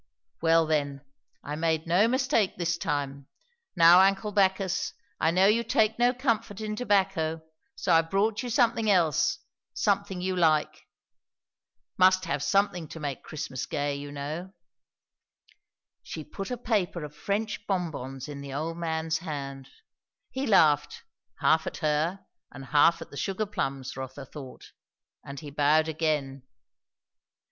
"Well, then I made no mistake this time. Now, uncle Bacchus, I know you take no comfort in tobacco; so I've brought you something else something you like. Must have something to make Christmas gay, you know." She put a paper of French bonbons in the old man's hand. He laughed, half at her and half at the sugarplums, Rotha thought; and he bowed again.